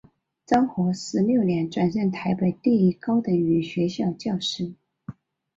昭和十六年转任台北第一高等女学校教师。